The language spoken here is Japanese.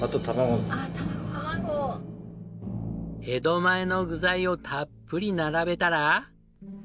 江戸前の具材をたっぷり並べたら。